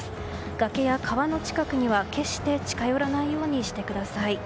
崖や川の近くには、決して近寄らないようにしてください。